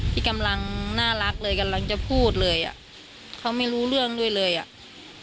ที่กำลังน่ารักเลยกำลังจะพูดเลยอ่ะเขาไม่รู้เรื่องด้วยเลยอ่ะ